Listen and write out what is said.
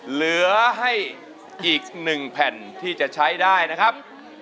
เหลือให้อีก๑แผ่นที่จะใช้ได้นะครับ